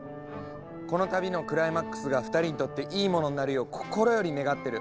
この旅のクライマックスが２人にとっていいものになるよう心より願ってる。